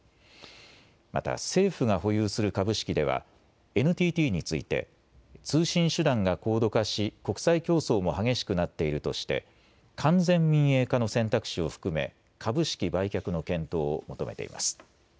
また政府が保有する株式ではＮＴＴについて通信手段が高度化し国際競争も激しくなっているとして完全民営化の選択肢を含め株式売却の検討を求めています。